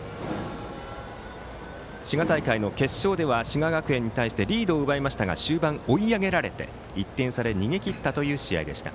滋賀大会の決勝では滋賀学園に対してリードを奪いましたが終盤、追い上げられて１点差で逃げ切った試合でした。